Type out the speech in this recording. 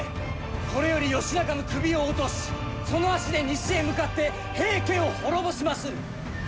これより義仲の首を落としその足で西へ向かって平家を滅ぼしまする！